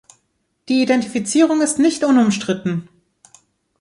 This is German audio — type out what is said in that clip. Die Identifizierung ist nicht unumstritten.